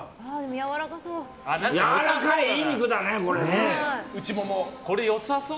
やわらかそう。